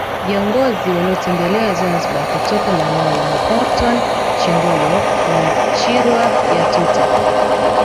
Viongozi walotembelea Zanzibar kutoka Malawi ni Orton Chingolo na Chirwa Yatuta